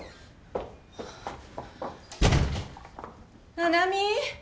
七海？